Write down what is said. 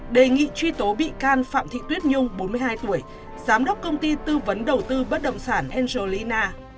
đề nghị truy tố bị can phạm thị tuyết nhung bốn mươi hai tuổi giám đốc công ty tư vấn đầu tư bất động sản angelina